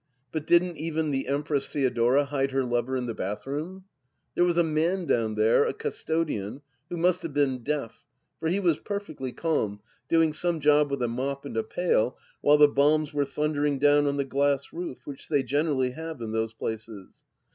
But didn't even the Empress Theodora hide her lover in the bathroom ?... There was a man down there, a custodian, who must have been deaf, for he was perfectly calm, doing some job with a mop and a pail while the bombs were thundering down on the glass roof, which they generally have in those places.